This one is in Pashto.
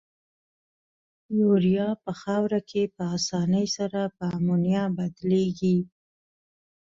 یوریا په خاوره کې په آساني سره په امونیا بدلیږي.